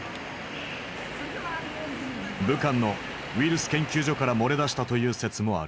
武漢のウイルス研究所から漏れ出したという説もある。